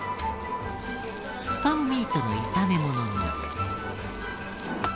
スパムミートの炒め物も。